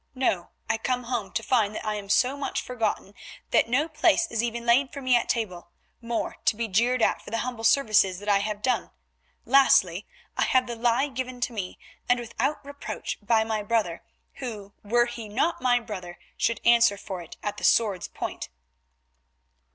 No, I come home to find that I am so much forgotten that no place is even laid for me at table; more, to be jeered at for the humble services that I have done. Lastly, I have the lie given to me, and without reproach, by my brother, who, were he not my brother, should answer for it at the sword's point."